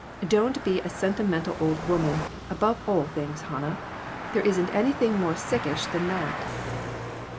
Don't be a sentimental old woman, above all things, Hannah ; there ain't anything more sick ish than that."